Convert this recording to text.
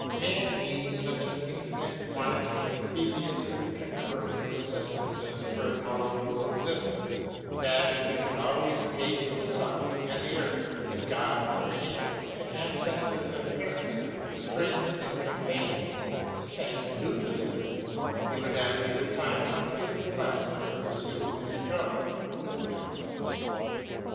Man needs such an infinite quantity of previous and concurrent assistances for a tolerable existence, that if he would always pay to the sun and the earth, to God and nature, to ancestors and parents, to friends and companions, the thanks due to them, he would have neither time nor feeling left to receive and enjoy new benefits.